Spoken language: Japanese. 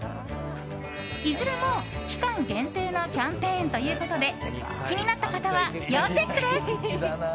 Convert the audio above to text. いずれも、期間限定のキャンペーンということで気になった方は要チェックです。